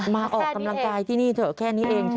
ออกกำลังกายที่นี่เถอะแค่นี้เอง